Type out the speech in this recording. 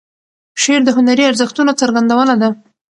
شعر د هنري ارزښتونو څرګندونه ده.